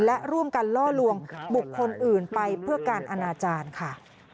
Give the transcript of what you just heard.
และร่วมกันล่อลวงบุคคลอื่นไปเพื่อการอนาจารย์ค่ะ